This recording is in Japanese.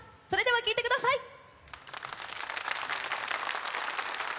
それでは聴いてください！